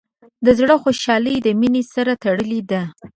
د زړۀ خوشحالي د مینې سره تړلې ده.